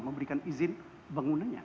memberikan izin bangunannya